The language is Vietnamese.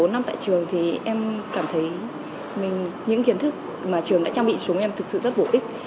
bốn năm tại trường thì em cảm thấy những kiến thức mà trường đã trang bị xuống em thực sự rất bổ ích